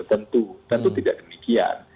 tentu tidak demikian